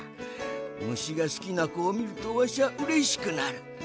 むしがすきなこをみるとわしはうれしくなる。